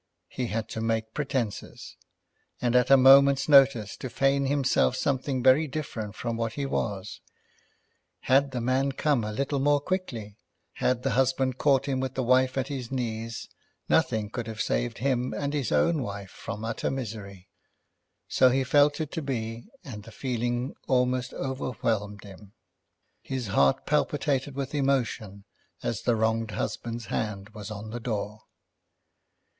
He had to make pretences, and at a moment's notice to feign himself something very different from what he was. Had the man come a little more quickly, had the husband caught him with the wife at his knees, nothing could have saved him and his own wife from utter misery. So he felt it to be, and the feeling almost overwhelmed him. His heart palpitated with emotion as the wronged husband's hand was on the door.